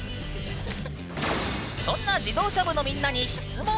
そんな自動車部のみんなに質問。